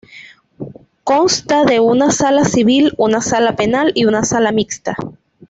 Consta de una Sala Civil, una Sala Penal y una Sala Mixta.